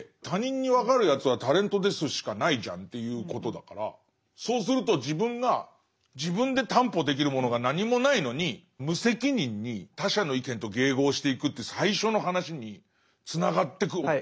他人に分かるやつは「タレントです」しかないじゃんっていうことだからそうすると自分が自分で担保できるものが何もないのに無責任に他者の意見と迎合していくって最初の話につながってく。